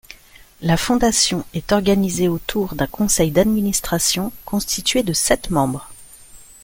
La fondation est organisée autour d'un conseil d'administration constitué de sept membres.